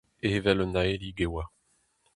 Evel un aelig e oa.